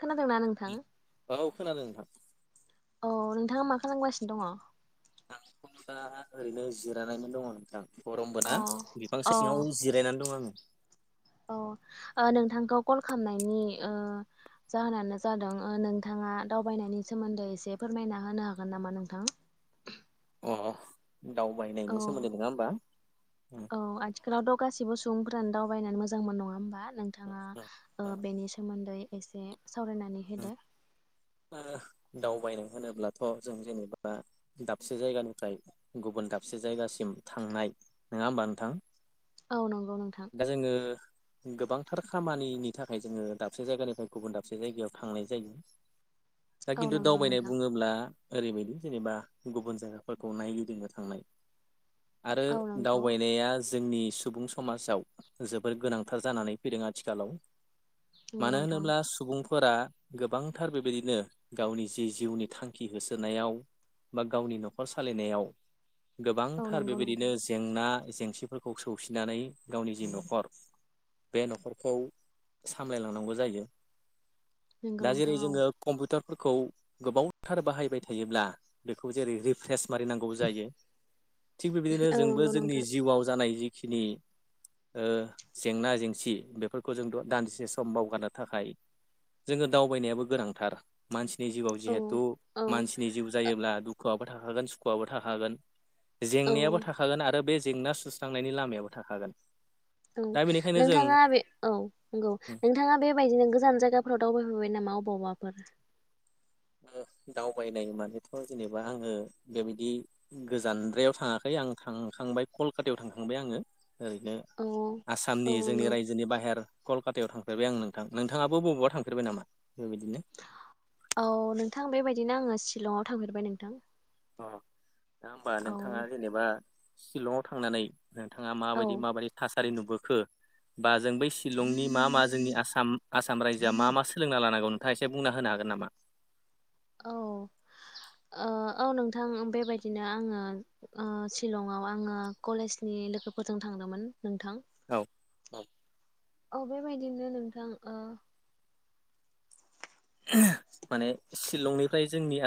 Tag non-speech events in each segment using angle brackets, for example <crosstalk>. खोनादोंना नोंथां ल औ खोनादों नोंथां। औ नोंथाङा मा खालामगासिनो दङ? आंथ' दा ओरैनो जिरायनानै दङ नोंथां। गरमबो औ ना बिफां सिङाव जिरायनानै दं आङो। अ ओ नोंथांखौ कल खालामनायनि ओ जाहोनानो जादों ओ नोंथाङा दावबायनायनि सोमोन्दै एसे फोरमायना होनो हागोन नामा नोंथां? <inaudible> अ अ औ औ आथिखालावथ' गासिबो सुबुं फोरानो दावबायनानै मोजां मोनो नङा होमबा नोंथाङा बेनि सोमोन्दै एसे सावरायनानै होदो। ओ दावबायनो होनोब्लाथ' जों जेनेबा दाबसे जायगानिफ्राय गुबुन दाबसे जायगासिम थांनाय नङा होमबा नोंथां? औ नंगौ नोंथां। दा जोङो गोबांथार खामानिनि थाखाय जोङो दाबसे जायगानिफ्राय गुबुन दाबसे जायगायाव थांनाय जायो। दा औ किन्थु नंगौ दावबायनाय नोंथां बुङोब्ला ओरैबायदि जेनेबा गुबुन जायगाफोरखौ नायगिदिंनो थांनाय। आरो औ नंगौ दावबायनाया जोंनि सुबुं समाजाव जोबोर गोनांथार जानानै फैदों आथिखालाव। नंगौ मानो नोंथां होनोब्ला सुबुंफोरा गोबांथार बेबायदि नो गावनि जि- जिउनि थांखि होसोनायाव बा गावनि न'खर सालायनायाव औ गोबांथार नंगौ बेबायदिनो नोंथां जेंना जेंसिफोरखौ सौसिनानै गावनि जि न'खर बे न'खरखौ सामलायलांनांगौ जायो। नोंगौ नोंथां औ। फोथारफोरखौ गोबावथार बाहायबाय थायोब्ला बेखौ जेरै रिफ्रेस मारिनांगौ जायो। थिग बेबायदिनो औ जोंबो नंगौ जोंनि नोंथां जिउआव जानाय जिखिनि ओ जेंना जेंसि बेफोरखौ जोंथ' दान्दिसे सम बावगारनो थाखाय जोङो दावबायनायाबो गोनां थार मानसिनि जिउआव औ जिहेथु औ मानसिनि जिउ जायोब्ला दुखुआ बो थाखागोन सुखुआबो थाखागोन औ जेंनायाबो थाखागोन आरो बे जेंना सुस्रांनायनि लामायाबो थाखागोन। ओं दा बेनिखायनो जों नोंथाङा बे औ नंगौ नोंथाङा बेबायदिनो गोजान जायगाफोराव दावबायफेरबाय नामा? बबावबाफोर? <unintelligible> दावबायनाय मानेथ' जेनेबा आङो बेबायदि गोजानद्रायाव थाङाखै। आं थांखांबाय कलकातायाव थांखांबाय आङो। ओरैनो औ आसामनि औ जोंनि नंगौ रायजोनि बाहेर कल कातायाव थांफेरबाय आं नोंथां नोंथाङाबो बबावबा थांफेरबाय नामा बेबायदिनो? औ औ नोंथां बेबायदिनो आङो शिलंआव थांफेरबाय नोंथां। अ दा होमबा औ नोंथाङा जेनेबा शिलंआव थांनानै नोंथाङा औ माबायदि माबायदि थासारि नुबोखो? बा जों बै शिलंनि मा मा जोंनि आसाम आसाम रायजोआ मा मा सोलोंना लानांगौ नों थाङा एसे बुंना होनो हागोन नामा? औ ओ औ नोंथां बेबायदिनो आङो ओ सिलंआव आङो कलेजनि लोगोफोरजों थांदोमोन नोंथां। बाव औ बेबायदिनो नोंथां ओ माने शिलंनिफ्राय जोंनि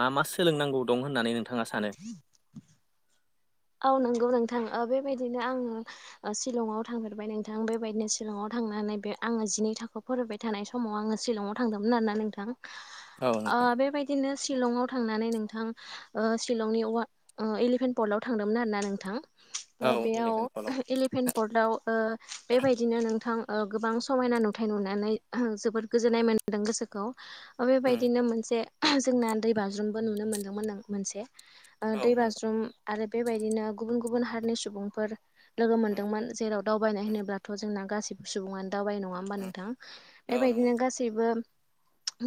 नोंथाङा सानो औ नंगौ नोंथां बेबायदिनो आं सिलंआव थांफेरबाय नोंथां बेबायदिनो सिलंआव थांनानै बे आङो जिनै थाखो फरायबाय थानाय समाव आङो सिलंआव थांदोंमोन आरोना नोंथां। औ ओ नोंथां बेबायदिनो शिलंआव थांनानै नोंथां ओ शिलंनि ओ एलिफेन्ट पर्टआव थांदोंमोन आरो ना औ नोंथां बेयाव इलेभेन फलाव इलिभेन पर्टआव बेबायदिनो नोंथां ओ गोबां समायना नुथाय नुनानै जोबोद गोजोननाय मोनदों गोसोखौ बेबायदिनो मोनसे जे जोंना दै बाज्रुमबो नुनो मोन्दोंमोन मोनसे औ नंगौ दैबाज्रुम आरो बेबायदिनो गुबुन गुबुन हारिनि सुबुंफोर लोगो औ मोन्दोंमोन जेराव दावबायनाय होनोब्लाथ' जोंना गासैबो सुबुङानो दावबाय नङा होमबा नोंथां नंगौ औ नंगौ बेबायदिनो नोंथां गासैबो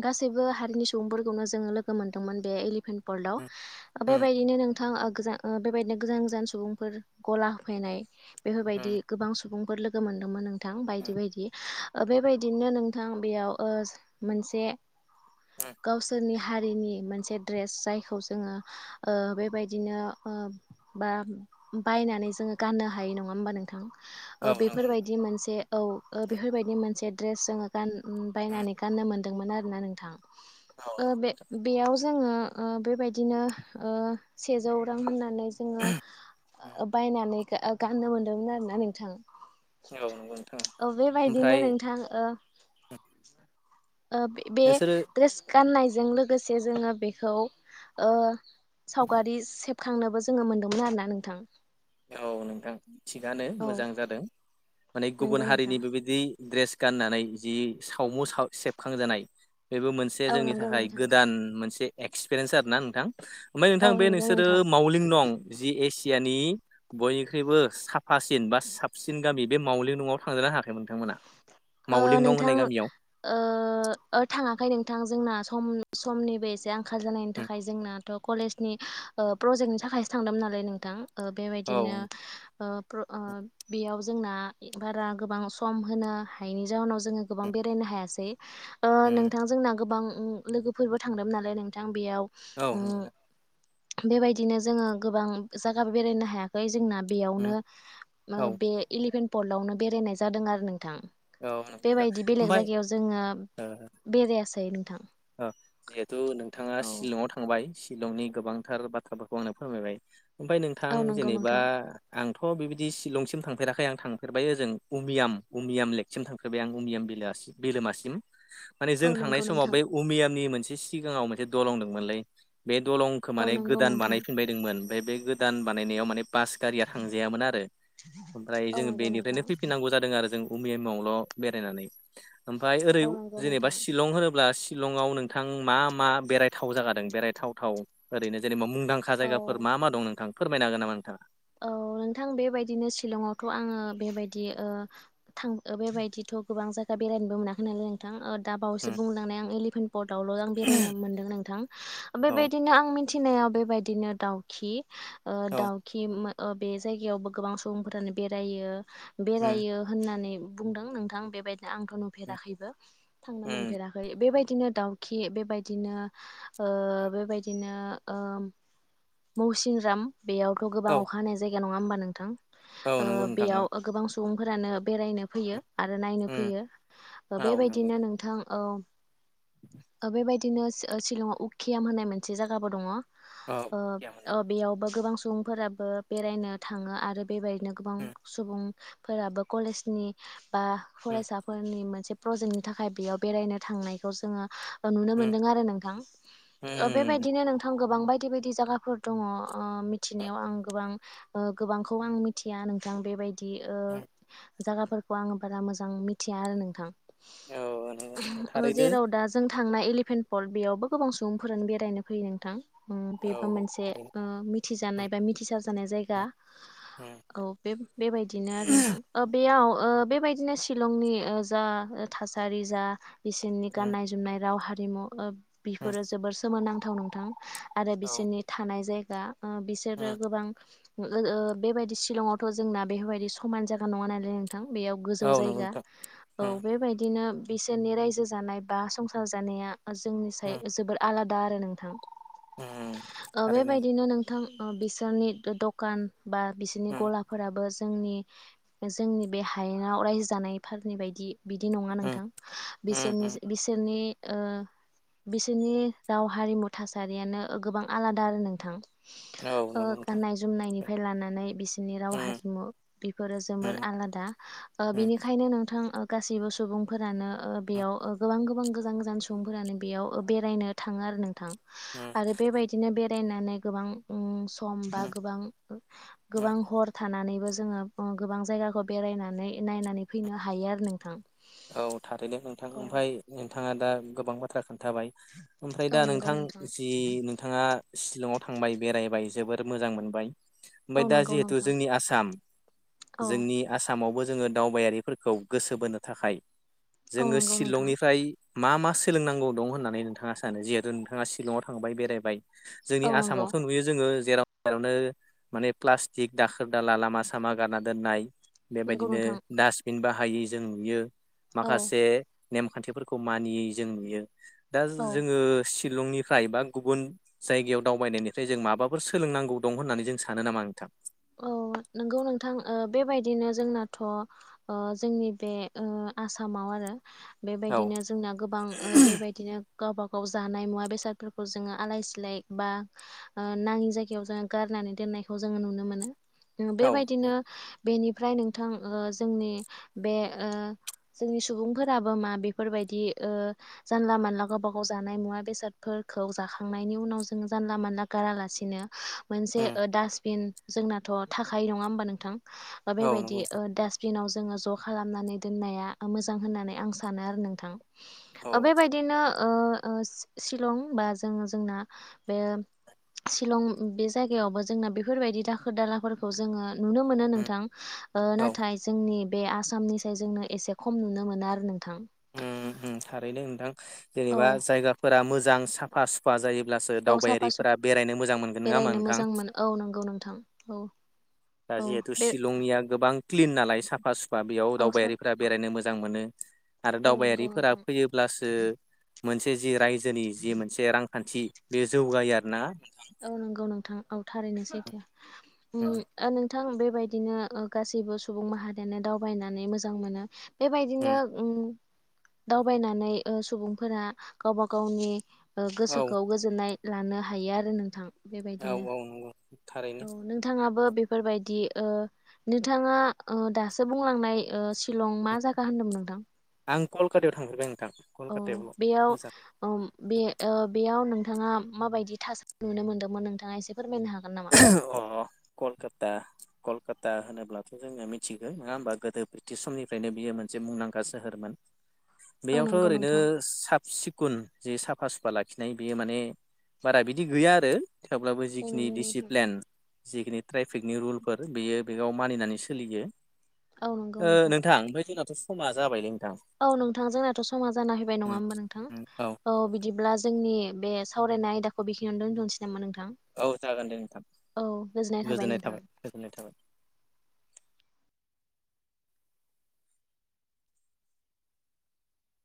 गासैबो हारिनि सुबुंफोरखौनो जोङो लोगो मोनदोंमोन बे एलिफेन्ट पर्ल्डआव बेबायदिनो नोंथां ओ गोजान ओ बेबायदिनो गोजान गोजान सुबुंफोर गला होफैनाय बेफोरबायदि गोबां सुबुंफोर लोगो मोनदोंमोन। नोंथां बायदि बायदि बेबायदिनो नोंथां बेयाव ओ मोनसे गावसोरनि हारिनि मोनसे ड्रेस जायखौ जोङो ओ बेबायदिनो ओ बा बायनानै जोङो गाननो हायो नङा होमबा नोंथां औ ओ बेफोरबायदि मोनसे औ ओ बेफोरबायदि मोनसे ड्रेस जोङो बायनानै गाननो मोनदोंमोन आरोना नोंथां ओ बे बेयाव जोङो ओ बेबायदिनो ओ सेजौ रां होननानै जोङो बायनानै गाननो मोनदोंमोन आरोना नोंथां औ नंगौ नोंथां औ ओमफ्राय बेबायदिनो नोंथां ओ बे नोंसोरो ड्रेस गाननायजों लोगोसे जोङो बेखौ ओ सावगारि सेबखांनोबो जोङो मोनदोंमोन आरोना नोंथां औ नोंथां थिगानो मोजां जादों माने गुबुन नंगौ नोंथां हारिनि बेबायदि द्रेस गाननानै जि सावमु सेबखांजानाय बेबो मोनसे औ जोंनि नंगौ थाखाय नोंथां गोदान मोनसे एक्सपिरियेन्स आरोना नोंथां ओमफ्राय औ नोंथां बे नंगौ नोंसोरो नोंथां मावलिं नं जि एसियानि बयनिख्रुइबो साफासिन बा साबसिन गामि बे मावलिंल न'आव थांदोंना थाङाखै नोंथांमोना ओ मावलिं नं नोंथां होननाय गामियाव ओ थाङाखै नोंथां जोंना सम समनिबो एसे आंखाल जानायनि उम थाखाय जोंना कलेजनि प्रजेक्टनि थाखायसो थांदोंमोन नालाय नोंथां औ बेबायदिनो उम ओ बेयाव जोंना बारा गोबां सम होनो हायैनि जााहोनाव जोङो गोबां बेरायनो हायासै ओ उम नोंथां जोंना गोबां लोगोफोरबो थांदों नालाय नोंथां बेयाव औ बेबायदिनो जोङो गोबां जायगा बेरायनो हायाखै जोंना उम बेयावनो औ बे एलिफेन्ट पर्टआवनो बेरायनाय जादों आरो नोंथां। औ नंगौ नोंथां बेबायदि बेलेग ओमफ्राय जायगायाव जोङो ओ बेरायसै जिहेथु नोंथाङा औ शिलंआव थांबाय शिलंनि गोबांथार बाथ्राफोरखौ आंनो फोरमायबाय ओमफ्राय नोंथां औ नंगौ जेनेबा नोंथां आंथ' बिबायदि शिलंसिम थांफेराखै आं थांफेरबाय ओजों उमियाम उमियाम लेकसिम थांफेरबाय आं उमियाम बिलोआसि बिलोमासिम माने जों औ थांनाय नंगौ समाव नोंथां बै अमियामनि मोनसे सिगाङाव मोनसे दलं दंमोनलै बे दलंखौ औ माने नंगौ गोदान नोंथां बानायफिनबायदोंमोन ओमफ्राय बे गोदान बानायनायाव माने बास गारिया थांजायामोन आरो ओमफ्राय औ जोंङो नंगौ नोंथां बेनिफ्रायनो फैफिननांगौ जादों आरो जों भुमियामावल' बेरायनानै ओमफफ्राय ओरै औ नंगौ जेनेबा नोंथां शिलं होनोब्ला शिलंआव नोंथां मा मा बेरायथाव जागादों बेरायथाव थाव ओरैनो जेनेबा मुंदांखा औ जायगफोर मा मा दं नोंथां फोरमायनो हागोन नामा नोंथाङा औ नोंथां बेबायदिनो शिलंआवथ' आङो बेबायदि ओ थां बेबायदिथ' गोबां जागा बेरायनोबो मोनाखै नालाय नोंथां दाबावैसो उम बुंलांनाय आं एलिपेन्ट पटआवल' आङो बेरायनो मोन्दों नोंथां औ बेबायदिनो आं मिथिनायाव बे बेबायदिनो दाउखि ओ औ दाउखि बे जायगायावबो गोबां सुबुंफोरानो बेरायो उम बेरायो होननानै बुंदों नोंथां बेबायदिनो आंथ' नुफेराखैबो थांनो उम मोनफेराखै बेबाय बिदिनो दाउखि बेबायदिनो ओ बेबायदिनो ओ मौसिनराम बेयाव गोबां औ अखा हानाय जायगा नङा होनबा नोंथां औ ओ नंगौ नोंथां बेयाव गोबां सुबुं फोरानो बेरायनो फैयो आरो नायनो उम फैयो औ नंगौ बेबायदिनो नोंथां औ बेबायदिनो शिलंआव उखियाम होननाय मोनसे जायगाबो दङ औ उखियाम ओ बेयावबो गोबां सुबुं फोराबो बेरायनो थाङो आरो बेबायदिनो गोबां उम सुबुंफोराबो कलेजनि बा उम फरायसाफोरनि मोनसे प्रजेक्टनि थाखाय बेयाव बेरायनो थांनायखौ जोङो नुनो उम मोनदों आरो नोंथां ओ उम बेबायदिनो नोंथां गोबां बायदि बायदि जायगाफोर दङ ओ मिथिनायाव आं गोबां ओ गोबांखौ आं मिथिया नोंथां बेबायदि ओ जागाफोर खौ आं बारा मोजां मिथिया आरो नोंथां औ नंगौ नोंथां ओ थारैनो जेराव दा जों थांनाय एलिफेन्ट पल बेयावबो गोबां सुबुंफोरानो बेरायनो फैयो नोंथां ओम बेबो औ मोनसे थारैनो मिथिजानाय बा मिथिसार जानाय जायगा उम औ बे बेबायदिनो आरो नोंथां ओ बेयाव ओ बेबायदिनो शिलंनि ओ जा थासारि जा बिसोरनि गाननाय जोमनाय राव हारिमु ओ उम उम बिफोरो जोबोर सोमोनांथाव नङा नोंथां आरो औ बिसोरनि थानाय जायगा ओ बिसोरो उम गोबां ओ बेबायदि शिलंआवथ' जोंना बेफोरबायदि समान जायागा नङा नालाय नोंथां बेयाव गोजौ औ नंगौ जायगा नोंथां औ उम बेबायदिनो बिसोरनि रायजो जानाय बा संसार जानाया जोंनि साय उम जोबोर आलादा आरो नोंथां उम थारैनो बेबायदिनो नों थां बिसोरनि दखान बा बिसोरनि उम गलाफोराबो जोंनि जोंनि बे हायेनाव रायजो जानायफोरनि बायदि बिदि नङा उम नोंथां उम बिसोरनि उम बिसोरनि ओ बिसोरनि राव हारिमु थासारियानो गोबां आलादा आरो नोंथां औ नंगौ नोंथां जुमनायनिफ्राय लानानै बिसोरनि राव उम हारिमु बेफोरो जोबोर उम आलादा ओ उम बिनिखायनो नोंथां गासिबो सुबुंफोरानो ओ बेयाव गोबां गोबां गोजान गोजान सुबुंफोरानो बेयाव बे बेरायनो थाङो आरो नोंथां उम आरो बेबायदिनो बेरायनानै गोबां ओ सम बा उम गोबां गोबां उम हर थानानैबो जोङो गोबां जाया खौ बेरायनानै नायनानै फैनो हायो आरो नोंथां औ थारैनो नोंथां औ ओमफ्राय नोंथाङा दा गोबां बाथ्रा खोन थाबाय ओमफ्राय दा औ नंगौ नोंथां जि नोंथाङा शिलंआव थांबाय बेरायबाय जोबोर मोजां मोनबाय ओमफ्राय औ दा नंगौ जिहेथु नोंथां जोंनि आसाम औ जोंनि आसामावबो जोङो दावबायारिफोरखौ गोसो बोनो थाखाय औ जोङो नंगौ नोंथां शिलंनिफ्राय मा मा सोलोंनांगौ दं होननानै नोंथाङा सानो जिहेथु नोंथाङा शिलंआव थांबाय बेरायबाय जोंनि औ नंगौ आसामावथ' नुयो जोङो जेराव मेरावनो माने प्लास्टिक दाखोर दाला लामा सामा गारना दोननाय नंगौ बेबायदिनो नोंथां डास्टबिन बाहायै जों नुयो औ माखासे नेमखान्थिफोरखौ मानियै जों नुयो दा औ जोङो शिलंनिफ्राय बा गुबुन जायगायाव दावबायनायनिफ्राय जों माबाफोर सोलोंनांगौ दं होननानै जों सानो नामा नोंथां औ नोंगौ नोंथां बेबायदिनो जोंनाथ' जोंनि बे ओ आसामाव आरो औ बेबायदिनो जोंना गोबां बेबायदिनो गावबा गाव जानाय मुवा बेसादफोरखौ जोङो आलाय सिलाय बा ओ नाङि जायगायाव जोङो नानै दनायखौ जों नुनो मोनो औ बेबायदिनो बेनिफ्राय नोंथां ओ जोंनि बे ओ जोंनि सुबुंफोराबो मा बेफोरबायदि ओ जानला मानला गावबा गाव जानाय मुवा बेसादफोर जाखांनायनि उनाव जों जानला मानला गारालासिनो मोनसे उम ओ डास्टबिन जोंनाथ' थाखायो नङा होमबा नोंथां ओ औ नंगौ बेबायदि नोंथां ओ दासबिनाव जोङो ज' खालामनानै दोननाया मोजां होननानै आं सानो आरो नोंथां ओ बेबायदिनो ओ ओ सिलं बा जों-जोंना बे शिलं बे जायगायावबो जोंना बेफोरबायदि दा खोदालाफोरखौ जोङो नुनो मोनो उम नोंथां ओ औ नाथाय जोंनि बे आसामनिसाय जोंनो एसे खम नुनो मोनो आरो नोंथां उम उम थारैनो नोंथां औ जेनेबा जायगाफोरा मोजां साफा सुफा जायो ब्लासो औ साफा दावबायारिफोरा सुफा बेरायनो मोजां मोनगोन नोङा होमबा बेरायनो नोंथां मोजां मोनो औ नंगौ नोंथां औ दा औ जिहेथु बे शिलंनिया गोबां क्लिन नालाय साफा सुफा बेयाव औ सा दावबायारिफोरा बेरायनो मोजां मोनो आरो औ नंगौ दावबायारिफोरा नोंथां फैयोब्लासो मोनसे जि रायजोनि जि मोनसे रां खान्थि बे जौगायो आरो ना औ नंगौ नोंथां औ थारैनो सैथो उम ओ नोंथां बेबायदिनो गासैबो सुबुं माहारियानो दावबायनानै मोजां मोनो बेबायदिनो उम दावबायनानै ओ सुबुंफोरा गावबा गावनि ओ औ गोसोखौ गोजोननाय लानो हायो आरो नोंथां औ बेबायदिनो औ नंगौ थारैनो औ नोंथाङाबो बेफोरबायदि ओ नोंथाङा ओ दासो बुंलांनाय ओ शिलं मा जागा होनदोंमोन नोंथां आं कलकाटायाव थांफेरबाय ओं अ बेयाव ओम बे ओ बेआव नों थाङा माबायदि थासारि नुनो मोनदोंमोन नोंथाङा एसे फोरमायनो हा <unintelligible> अ कलकात ता कलकाता होनोब्लाथ' जोङो मिथिगो नोङा होमबा गोदो ब्रिटिस समनिफ्रायनो बियो मोनसे मुंदां गा सोहोरमोन औ बेयावथ' नंगौ ओरैनो नोंथां साबसिख खुन जे साफा सुफा लाखिनाय बेयो माने बारा बिदि गैया आरो थेवब्लाबो औ जिखिनि नंगौ नोंथां। डिसिप प्लेन जिखिनि ट्रायफिकनि रुलफोर बेयो बेयाव मानिनानै सोलियो औ नंगौ ओ नोंथां ओमफ्राय जोंनाथ' समा जाबायलै नोंथां औ नोंथां जोंनाथ' समा जाना फैबाय नङा उम होमबा नोंथां औ बिदिब्ला जोंनि बे सावरायनाय आयदाखौ बेखिनियावनो दोनथनोसै नामा नोंथां औ जागोन दे नोंथां थां औ गोजोननाय थाबाय नोंथां